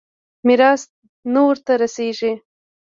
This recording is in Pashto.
ميراث نه ورته رسېږي.